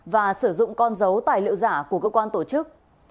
và sử dụng con dấu tài liệu giả của cơ quan tổ chức